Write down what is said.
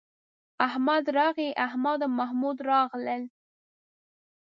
احمد راغی، احمد او محمود راغلل